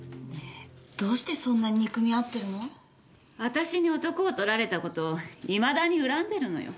私に男をとられた事をいまだに恨んでるのよ。